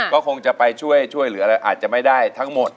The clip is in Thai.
ก็คงจะไปช่วยช่วยอาจจะไม่ได้ทั้งหมด